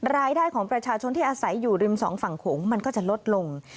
รายได้ของประชาชนที่อาศัยอยู่ริมสองฝั่งโขงมันก็จะลดลง